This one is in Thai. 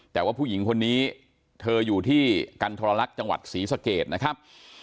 แต่ว่าผู้หญิงคนนี้เธออยู่ที่กันทรลักษณ์จังหวัดศรีสะเกดนะครับ